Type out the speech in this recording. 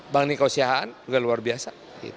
bang niko syahaan juga luar biasa